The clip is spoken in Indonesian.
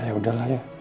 ya udahlah ya